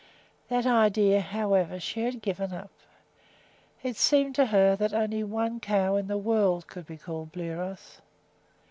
That idea, however, she had given up; it seemed to her that only one cow in the world could be called Bliros.